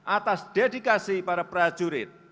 atas dedikasi para prajurit